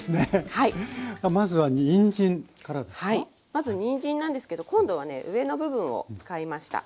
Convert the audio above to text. まずにんじんなんですけど今度はね上の部分を使いました。